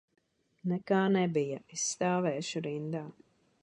Nekā nebija, es stāvēšu rindā.